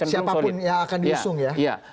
siapapun yang akan diusung ya